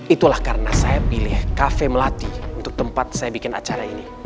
itulah karena saya pilih kafe melati untuk tempat saya bikin acara ini